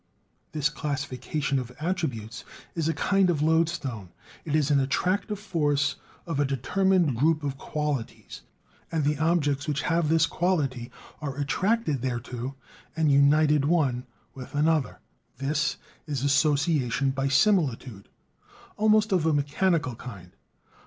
This classification of attributes is a kind of loadstone; it is an attractive force of a determined group of qualities; and the objects which have this quality are attracted thereto and united one with another; this is association by similitude, almost of a mechanical kind.